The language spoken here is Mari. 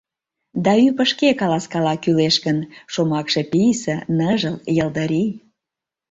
Да Ӱпӧ шке каласкала, кӱлеш гын, Шомакше писе, ныжыл, йылдырий.